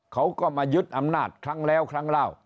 เขาก็มายึดอำนาจครั้งแล้วครั้งเล่า